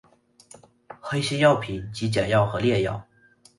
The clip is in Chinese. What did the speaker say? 黑心药品即假药和劣药。